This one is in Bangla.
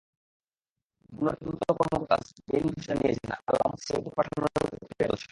মামলার তদন্ত কর্মকর্তা সেলিম বাদশা জানিয়েছেন, আলামত সিআইডিতে পাঠানোর প্রক্রিয়া চলছে।